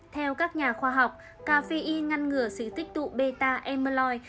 theo các nhà khoa học cà phê in ngăn ngửa sự tích tụ beta amyloid